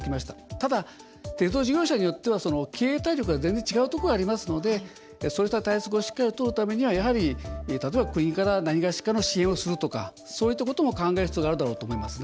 ただ、鉄道事業者によっては経営体力が全然違うところがありますのでそうした対策をしっかりとるためには例えば国から何がしかの支援をするとかそういったことも考える必要があると思いますね。